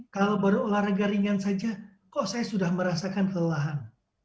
kalau berolahraga ringan saja kok saya sudah merasakan kelelahan